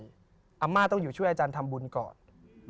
อาม่าต้องอยู่ช่วยอาจารย์ทำบุญก่อน